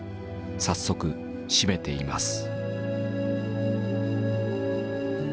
早速締めています」。